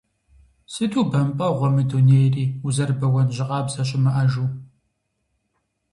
Сыту бэмпӏэгъуэ мы дунейри, узэрыбэуэн жьы къабзэ щымыӏэжу…